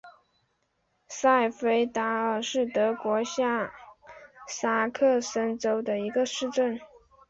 塞费塔尔是德国下萨克森州的一个市镇。